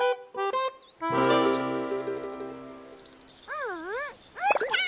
ううーたん！